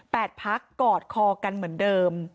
พักกอดคอกันเหมือนเดิม